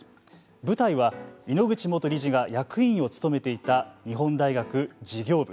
舞台は、井ノ口元理事が役員を務めていた日本大学事業部。